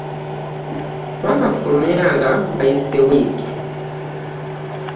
Twakafulumya nga wayise wiiki.